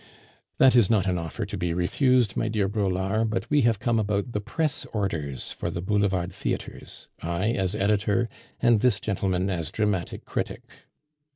"That is not an offer to be refused, my dear Braulard, but we have come about the press orders for the Boulevard theatres I as editor, and this gentleman as dramatic critic."